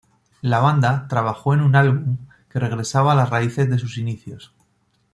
La banda trabajó en un álbum que regresaba a las raíces de sus inicios.